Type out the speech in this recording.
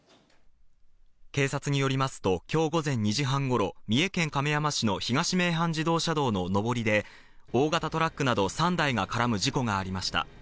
警察によりますと今日午前２時半頃、三重県亀山市の東名阪自動車道の上りで、大型トラックなど３台が絡む事故がありました。